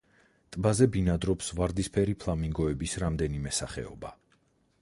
ტბაზე ბინადრობს ვარდისფერი ფლამინგოების რამდენიმე სახეობა.